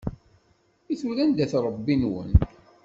I tura anda-t Ṛebbi-nwen?